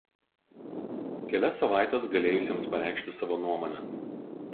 kelias savaites galėjusiems pareikšti savo nuomonę